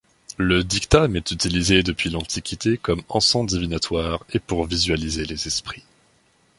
Le dictame est utilisé depuis l'Antiquité comme encens divinatoire et pour visualiser les esprits.